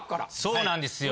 そうなんですよ。